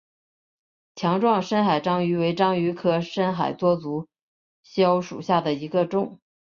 强壮深海章鱼为章鱼科深海多足蛸属下的一个种。